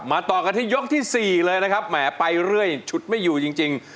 ต่อกันที่ยกที่๔เลยนะครับแหมไปเรื่อยฉุดไม่อยู่จริง